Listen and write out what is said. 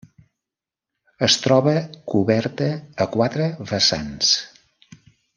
Es troba coberta a quatre vessants.